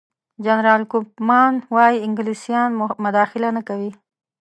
جنرال کوفمان وايي انګلیسان مداخله نه کوي.